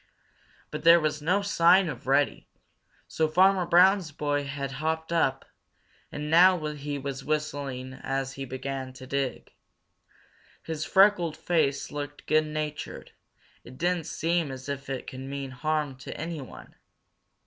But there was no sign of Reddy, so Farmer Brown's boy had hopped up, and now he was whistling as he began to dig. His freckled face looked good natured. It didn't seem as if he could mean harm to anyone.